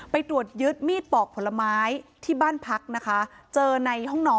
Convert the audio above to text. ไปตรวจยึดมีดปอกผลไม้ที่บ้านพักนะคะเจอในห้องนอน